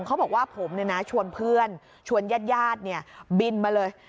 เขาบอกว่าผมชวนเพื่อนชวนญาติบินมาเลย